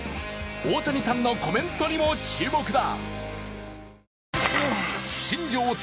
大谷さんのコメントにも注目だ。